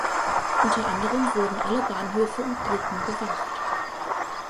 Unter anderem wurden alle Bahnhöfe und Brücken bewacht.